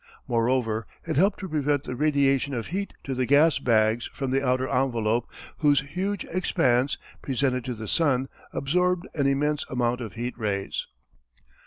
Moreover it helped to prevent the radiation of heat to the gas bags from the outer envelope whose huge expanse, presented to the sun, absorbed an immense amount of heat rays.